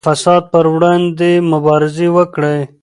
د فساد پر وړاندې مبارزه وکړئ.